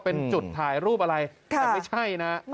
เป็นจุดถ่ายรูปอะไรแต่ไม่ใช่นะ